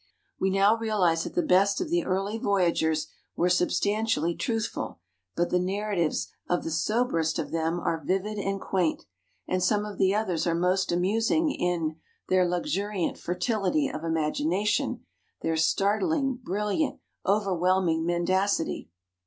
We now realize that the best of the early voyagers were substantially truthful, but the narratives of the soberest of them INTRODUCTION xv are vivid and quaint, and some of the others are most amusing in "their luxuriant fertility of imagination, their startling, brilliant, overwhelming mendacity."